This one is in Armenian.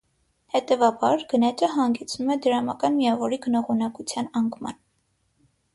Հետևաբար, գնաճը հանգեցնում է դրամական միավորի գնողունակության անկման։